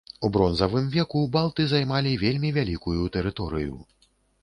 У бронзавым веку балты займалі вельмі вялікую тэрыторыю.